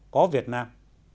có việt nam